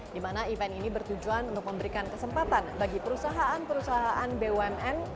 di mana event ini bertujuan untuk memberikan kesempatan bagi perusahaan perusahaan bumn